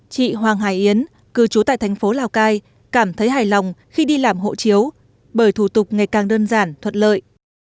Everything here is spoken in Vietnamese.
chị hoàng hải yến cư trú tại thành phố lào cai cảm thấy hài lòng khi đi làm hộ chiếu bởi thủ tục ngày càng đơn giản thuật lợi